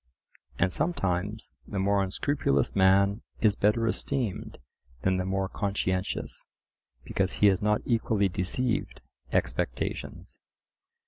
And sometimes the more unscrupulous man is better esteemed than the more conscientious, because he has not equally deceived expectations.